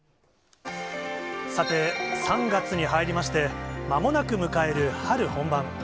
さて３月に入りまして、まもなく迎える春本番。